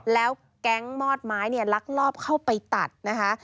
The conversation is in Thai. แล้วแก๊งมอดไม้เนี่ยลักลอบเข้าไปตัดนะคะ